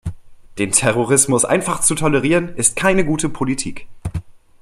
Den Terrorismus einfach zu tolerieren, ist keine gute Politik.